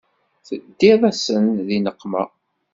Teddiḍ-asen di nneqma.